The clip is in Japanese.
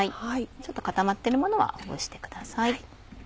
ちょっと固まってるものはほぐしてください。